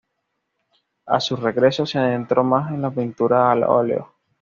A su regreso se adentró más en la pintura al óleo.